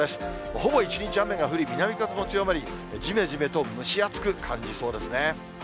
ほぼ一日雨が降り、南風も強まり、じめじめと蒸し暑く感じそうですね。